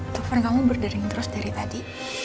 telepon kamu berdering terus dari tadi